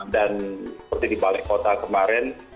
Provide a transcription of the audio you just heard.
dan seperti di balai kota kemarin